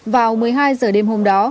vào một mươi hai giờ đêm hôm đó